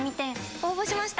応募しました。